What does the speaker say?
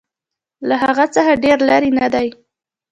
له هغه څخه ډېر لیري نه دی.